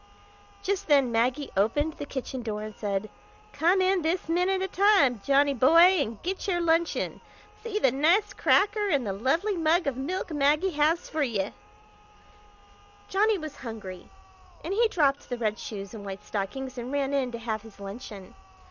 Just then Maggie opened the kitchen door and said: "Come in this minute of time, Johnny boy, and get your luncheon! see the nice cracker and the lovely mug of milk Maggie has for ye!" Johnny was hungry, and he dropped the red shoes and white stockings and ran in to have his luncheon.